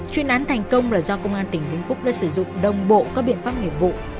chuyên án thành công là do công an tỉnh vĩnh phúc đã sử dụng đồng bộ các biện pháp nghiệp vụ